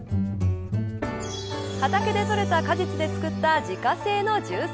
畑で採れた果実で作った自家製のジュース